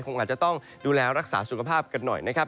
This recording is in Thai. คงอาจจะต้องดูแลรักษาสุขภาพกันหน่อยนะครับ